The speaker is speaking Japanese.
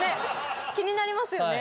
気になりますよね。